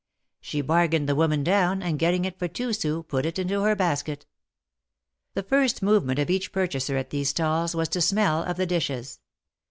She bargained the woman down, and, getting it for two sous, put it into her basket. The first movement of each purchaser at these stalls was to smell of the dishes.